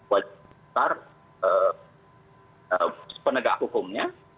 pemerintah penegak hukumnya